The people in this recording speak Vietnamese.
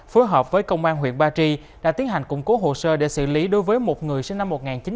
phối hợp với công an huyện ba tri đã tiến hành củng cố hồ sơ để xử lý đối với một người sinh năm một nghìn chín trăm tám mươi